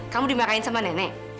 kamu dimarahin sama nenek